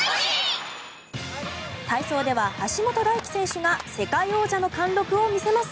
体操では橋本大輝選手が世界王者の貫禄を見せます。